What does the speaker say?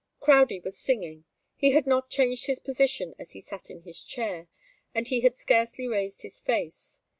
Crowdie was singing. He had not changed his position as he sat in his chair, and he had scarcely raised his face.